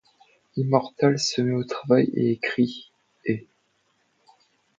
Immortal se met au travail et écrit ' et '.